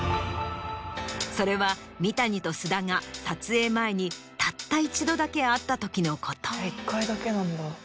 それは三谷と菅田が撮影前にたった一度だけ会ったときのこと。